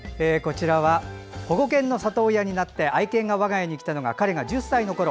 保護犬の里親になって愛犬が我が家に来たのは彼が１０歳のとき。